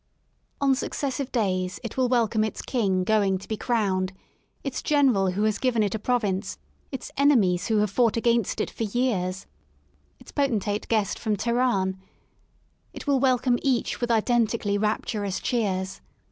On successive days it will welcome its king going to be crowned, its general who has given it a province, its enemies who have fought against it for years, its potentate guest from Teheran — it will welcome each with identically rapturous cheers.